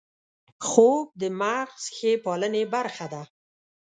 خوب د مغز ښې پالنې برخه ده